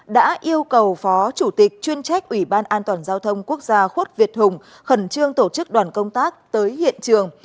đã yêu cầu phó chủ tịch chuyên trách ủy ban an toàn giao thông quốc gia khuất việt hùng khẩn trương tổ chức đoàn công tác tới hiện trường